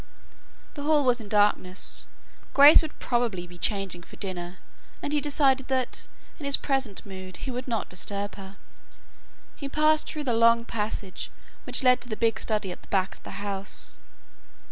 The hall was in darkness. Grace would probably be changing for dinner, and he decided that in his present mood he would not disturb her. He passed through the long passage which led to the big study at the back of the house.